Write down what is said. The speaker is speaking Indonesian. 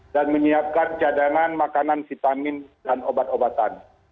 dan menyiapkan cadangan makanan vitamin dan obat obatan